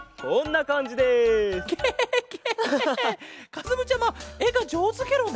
かずむちゃまえがじょうずケロね。